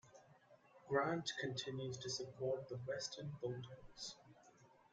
Grant continues to support the Western Bulldogs.